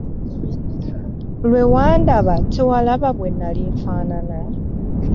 Lwe wandaba tewalaba bwe nali nfaanana?